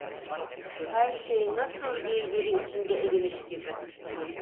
Her şey nasıl birbiri içinde erimiş gibi.